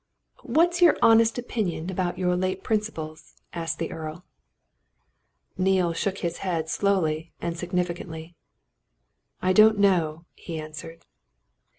"What's your honest opinion about your late principals?" asked the Earl. Neale shook his head slowly and significantly. "I don't know," he answered.